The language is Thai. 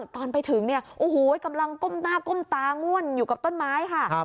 ตอนไปถึงกำลังก้มตางวลอยู่กับต้นไม้ค่ะ